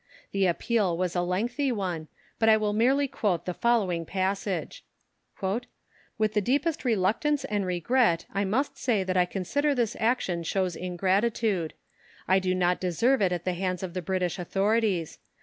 The appeal was a lengthy one, but I will merely quote the following passage: "With the deepest reluctance and regret I must say that I consider this action shows ingratitude. I do not deserve it at the hands of the British Authorities.